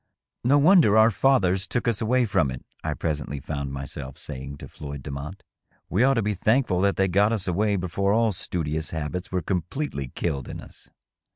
" No wonder our fathers took us away from it,^^ I presently found myself saying to Floyd Demotte ;" we ought to be thankful that they got us away before all studious habits were completely killed in us."